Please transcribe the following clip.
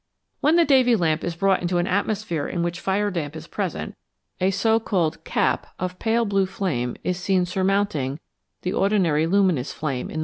When the Davy lamp is brought into an atmosphere in which fire damp is present, a so called " cap " of pale blue flame is seen surmounting the ordinary luminous abed FIG.